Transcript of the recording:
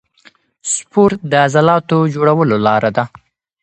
سپورت د عضلاتو جوړولو لاره ده.